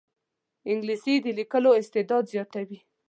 انګلیسي د لیکلو استعداد زیاتوي